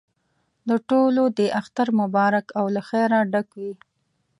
د ټولو دې اختر مبارک او له خیره ډک وي.